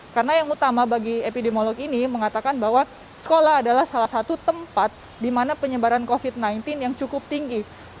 karena yang utama bagi epidemiolog ini mengatakan bahwa sekolah adalah salah satu tempat di mana penyebaran covid sembilan belas yang cukup tinggi